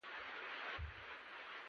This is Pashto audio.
انګلیسي د زده کړو نړیوال معیار دی